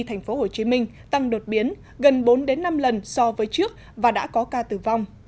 tp hcm tăng đột biến gần bốn năm lần so với trước và đã có ca tử vong